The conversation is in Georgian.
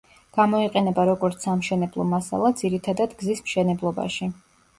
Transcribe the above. გამოიყენება როგორც სამშენებლო მასალა, ძირითადად გზის მშენებლობაში.